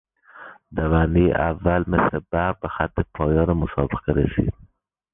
دوندهی اول مثل برق به خط پایان مسابقه رسید.